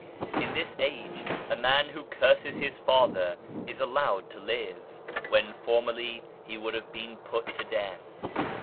In this age, a man who curses his father is allowed to live, when formerly he would have been put to death.